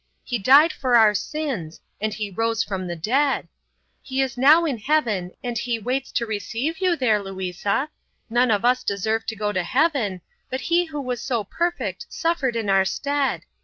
He died for our sins and He rose from the dead. He is now in Heaven, and He waits to receive you there, Louisa. None of us deserve to go to Heaven, but He who was so perfect suffered in our stead.